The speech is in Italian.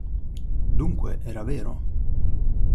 Dunque, era vero!